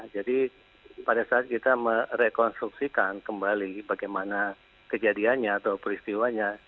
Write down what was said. jadi pada saat kita merekonstruksikan kembali bagaimana kejadiannya atau peristiwanya